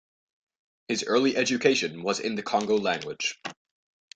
His early education was in the Kongo language.